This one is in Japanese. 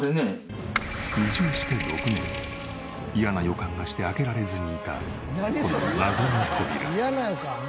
移住して６年嫌な予感がして開けられずにいたこの謎の扉。